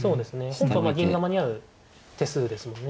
本譜は銀が間に合う手数ですもんね。